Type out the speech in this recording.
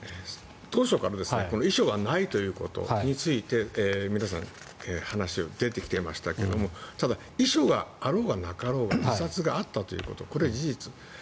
当初から遺書がないということについて皆さん、話が出てきていましたがただ、遺書があろうがなかろうが自殺があったということこれは事実。